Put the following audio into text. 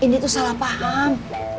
ini tuh salah paham